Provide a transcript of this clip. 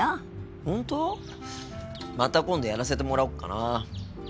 また今度やらせてもらおうかな。